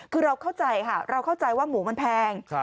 คือเราเข้าใจค่ะเราเข้าใจว่าหมูมันแพง